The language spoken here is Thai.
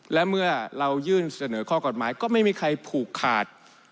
และเมื่อเรายื่นเสนอข้อกฎหมายก็ไม่มีใครผูกขาด